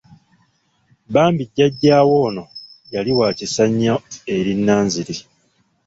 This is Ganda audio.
Bambi jjajja we ono yali wa kisa nnyo eri Nanziri.